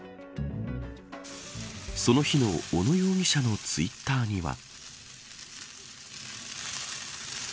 その日の小野容疑者のツイッターには。